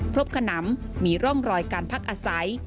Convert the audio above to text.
ขนำมีร่องรอยการพักอาศัย